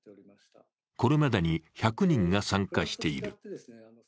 これまでに１００人が参加している。